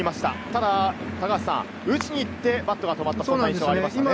ただ打ちに行って、バットが止まったという印象がありますね。